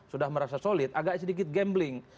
sudah merasa solid agak sedikit gambling